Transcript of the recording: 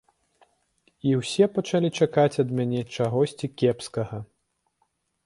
І ўсе пачалі чакаць ад мяне чагосьці кепскага.